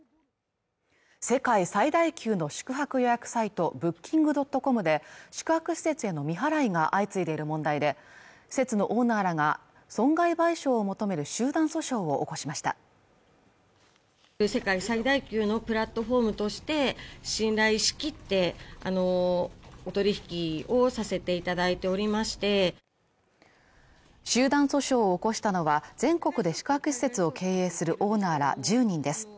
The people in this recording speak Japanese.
世界最大級の宿泊予約サイトブッキングドットコムで宿泊施設への未払いが相次いでいる問題で施設のオーナーらが損害賠償を求める集団訴訟を起こしました集団訴訟を起こしたのは全国で宿泊施設を経営するオーナーら１０人です